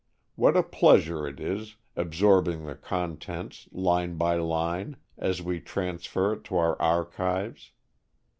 What a pleasure it is, absorbing the contents, line by line, as we transfer it to our archives!